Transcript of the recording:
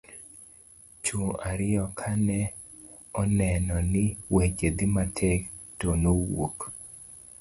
chuwo ariyo ka kane oneno ni weche dhi matek to nowuok